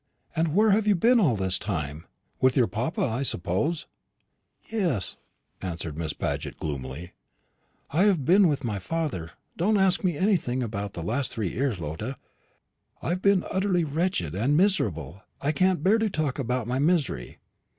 And where have you been all this time? With your papa, I suppose." "Yes," answered Miss Paget gloomily; "I have been with my father. Don't ask me anything about the last three years, Lotta. I have been utterly wretched and miserable, and I can't bear to talk about my misery."